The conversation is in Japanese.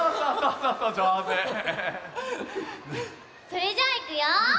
それじゃあいくよ！